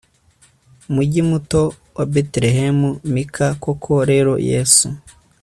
mugi muto wa Betelehemu Mika Koko rero Yesu